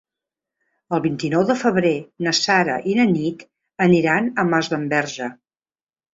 El vint-i-nou de febrer na Sara i na Nit aniran a Masdenverge.